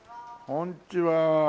こんにちは。